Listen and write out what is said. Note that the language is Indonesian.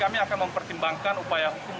kami akan mempertimbangkan upaya hukum